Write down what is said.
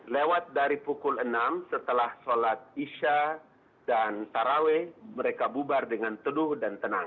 lewat dari pukul enam setelah sholat isya dan taraweh mereka bubar dengan teduh dan tenang